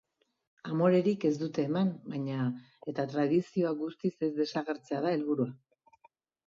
Amorerik ez dute eman baina, eta tradizioa guztiz ez desagertzea da helburua.